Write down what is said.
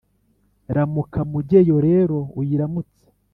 ramuka mugeyo rero uyiramutse